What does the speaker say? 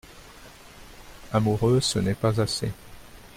Amoureux !… ce n’est pas assez !…